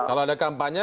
kalau ada kampanye